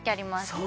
そう